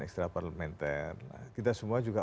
ekstraparlimenter kita semua juga